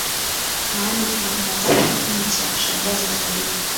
maana tunamkataa Lakini cha kushangaza zaidi